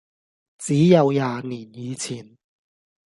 只有廿年以前，